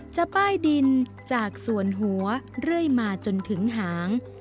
จะป้ายดินจากส่วนหัวเรื่อยมาจนถึงหาง